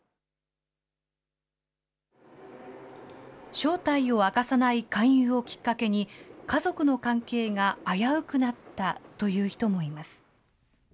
正体を明かさない勧誘をきっかけに、家族の関係が危うくなったという人もいます。